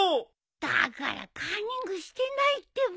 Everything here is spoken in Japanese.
だからカンニングしてないってば。